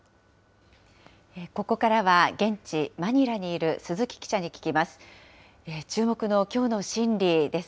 ここからは現地、マニラにいる鈴木記者に聞きます。